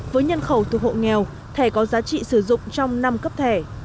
với nhân khẩu thuộc hộ nghèo thẻ có giá trị sử dụng trong năm cấp thẻ